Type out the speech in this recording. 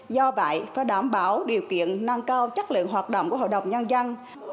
do vậy phải đảm bảo điều kiện nâng cao chất lượng hoạt động của hội đồng nhân dân